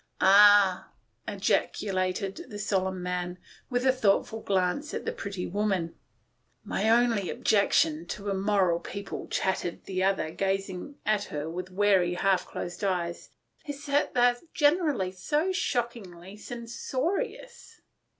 " Ah !" ejaculated the solemn man, with a thoughtful glance at the pretty woman. " My only objection to immoral people," chattered the boy, gazing at her with weary, half closed eyes, " is that they're generally so shockingly censorious."